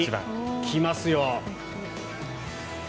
来ますよ。